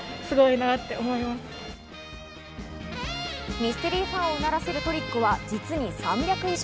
ミステリーファンをうならせるトリックは実に３００以上。